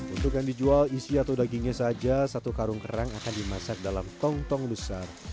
untuk yang dijual isi atau dagingnya saja satu karung kerang akan dimasak dalam tong tong besar